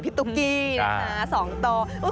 พี่ตุ๊กกี้นะคะ๒ตัว